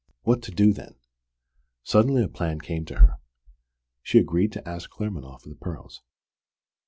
What to do then? Suddenly a plan came to her. She agreed to ask Claremanagh for the pearls.